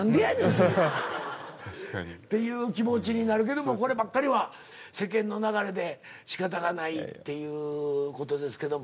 確かに。っていう気持ちになるけどもこればっかりは世間の流れでしかたがないっていう事ですけども。